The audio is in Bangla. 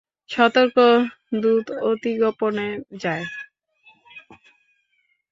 সতর্ক দূত অতিগোপনে যায়।